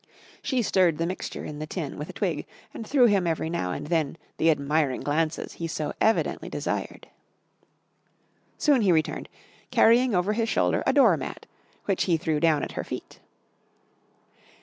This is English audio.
She stirred the mixture in the tin with a twig and threw him every now and then the admiring glances he so evidently desired. Soon he returned, carrying over his shoulder a door mat which he threw down at her feet.